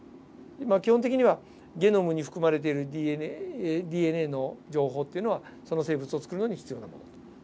基本的にはゲノムに含まれているＤＮＡの情報っていうのはその生物を作るのに必要なもの。